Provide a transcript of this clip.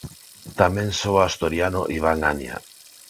Tamén soa o asturiano Iván Ania.